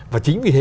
và chính vì thế